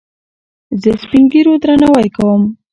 زه سپينږيرو درناوی کوم.